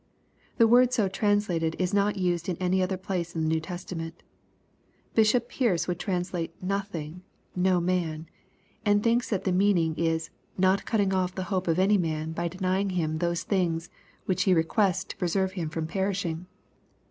'] The word so translated is not used in any other place in the New Testament. Bishop Pearce would translate " nothing" "no man," and thinks that the meaning is " not cutting off the hope of any man by denying him those things which he requests to preserve him from perishing."